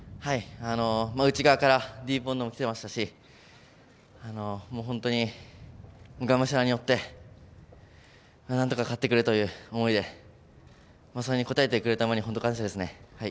内側からディープボンドも来てましたし本当にがむしゃらに乗ってなんとか勝ってくれという思いでまさに応えてくれたので本当に感謝です。